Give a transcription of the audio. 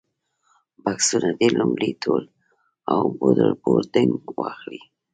بکسونه دې لومړی تول او بورډنګ واخلي.